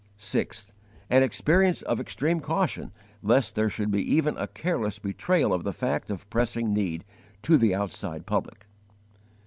6. An experience of extreme caution lest there should be even a careless betrayal of the fact of pressing need, to the outside public.